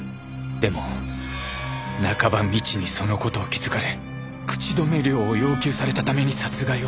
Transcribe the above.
でも中葉美智にその事を気づかれ口止め料を要求されたために殺害を決意。